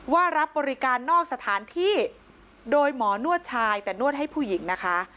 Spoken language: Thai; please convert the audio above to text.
รับบริการนอกสถานที่โดยหมอนวดชายแต่นวดให้ผู้หญิงนะคะ